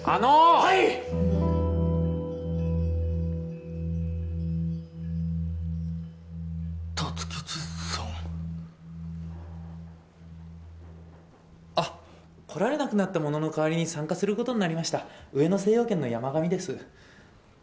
はい辰吉さん来られなくなった者の代わりに参加することになりました上野精養軒の山上です